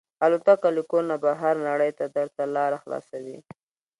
الوتکه له کور نه بهر نړۍ ته درته لاره خلاصوي.